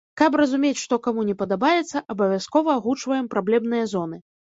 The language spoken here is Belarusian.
Каб разумець, што каму не падабаецца, абавязкова агучваем праблемныя зоны.